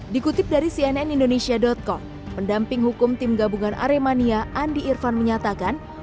dikutip dari cnn indonesia com pendamping hukum tim gabungan aremania andi irfan menyatakan